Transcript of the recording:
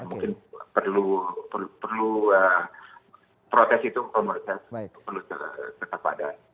mungkin perlu protes itu kalau menurut saya perlu tetap ada